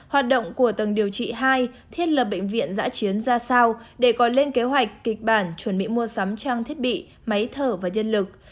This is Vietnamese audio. hoạt động của tầng điều trị hai thiết lập bệnh viện giã chiến ra sao để có lên kế hoạch kịch bản chuẩn bị mua sắm trang thiết bị máy thở và nhân lực